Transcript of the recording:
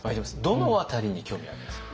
どの辺りに興味ありますか？